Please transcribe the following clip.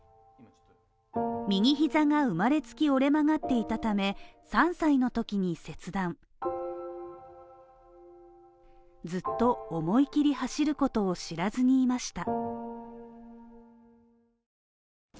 右膝が生まれつき折れ曲がっていたため３歳の時に切断ずっと思い切り走ることを知らずにいました